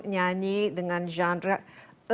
nyanyi dengan genre